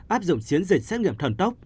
áp dụng chiến dịch xét nghiệm thần tốc